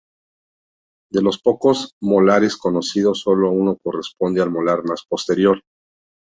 De los pocos molares conocidos solo uno corresponde al molar más posterior.